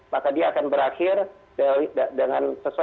maka dia akan berakhir sesuai dengan tujuan